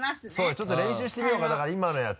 ちょっと練習してみようかだから今のやつ。